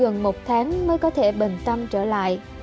gần một tháng mới có thể bình tâm trở lại